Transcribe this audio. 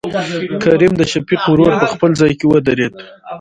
کريم دشفيق ورور په خپل ځاى کې ودرېد.